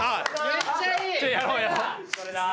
めっちゃいい！